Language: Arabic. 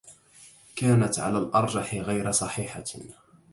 كانت على الأرجح غير صحيحة.